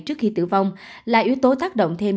trước khi tử vong là yếu tố tác động thêm